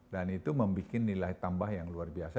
dan itu membuat nilai tambah yang luar biasa